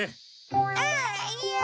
ああいや。